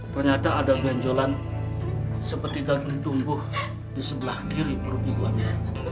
ternyata ada benjolan seperti daging tumbuh di sebelah kiri perut ibu ani